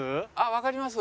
わかります。